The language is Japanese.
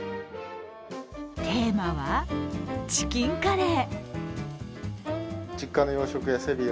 テーマはチキンカレー。